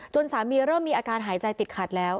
สามีเริ่มมีอาการหายใจติดขัดแล้ว